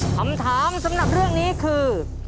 คำถามสำหรับเรื่องนี้คือ